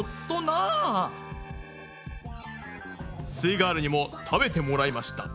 イガールにも食べてもらいました。